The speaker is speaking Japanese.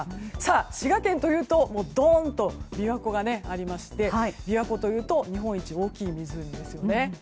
滋賀県というとドーンと琵琶湖がありまして琵琶湖というと日本一大きい湖ですよね。